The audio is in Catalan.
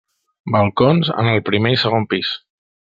Balcons en el primer i segon pis.